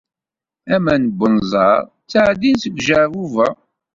Aman n wenẓar ttɛeddin seg ujeɛbub-a.